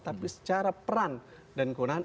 tapi secara peran dan keunaan